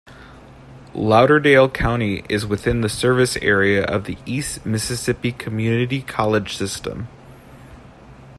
Lauderdale County is within the service area of the East Mississippi Community College system.